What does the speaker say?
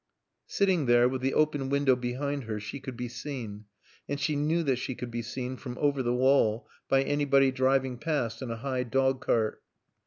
Sitting there, with the open window behind her, she could be seen, and she knew that she could be seen from over the wall by anybody driving past in a high dog cart.